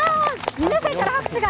皆さんから拍手が。